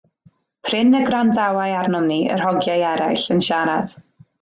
Prin y gwrandawai arnom ni, yr hogiau eraill, yn siarad.